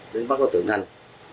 đến bắt đối tượng thanh